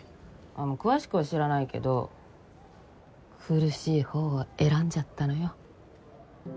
詳しくは知らないけど苦しい方を選んじゃったのよ。